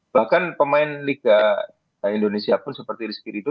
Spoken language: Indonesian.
bahkan pemain liga indonesia pun seperti rizky rido